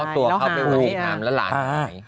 ตัวเขาไปบวชชีพรามแล้วหลานชาย